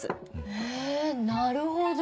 へぇなるほど。